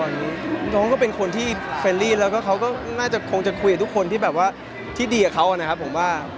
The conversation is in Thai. อ๋อน้องก็เป็นคนที่เฟรนรี่แล้วเขาก็น่าจะคงจะคุยกับทุกคนที่ดีกับเขาอะนะครับผมว่า